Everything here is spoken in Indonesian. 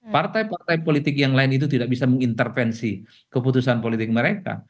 partai partai politik yang lain itu tidak bisa mengintervensi keputusan politik mereka